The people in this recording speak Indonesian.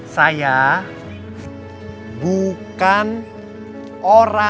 saya antar ya